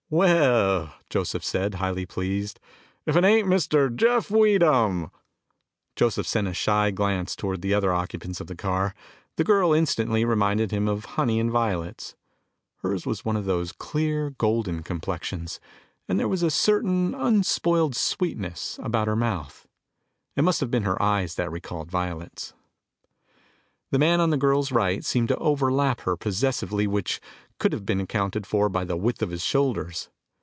"Well," Joseph said, highly pleased, "if it ain't Mr. Jeff Weedham!" Joseph sent a shy glance toward the other occupants of the car. The girl instantly reminded him of honey and violets. Hers was one of those clear, golden complexions, and there was a certain unspoiled sweetness about her mouth. It must have been her eyes that recalled violets. The man on the girl's right seemed to overlap her possessively which could have been accounted for by the width of his shoulders.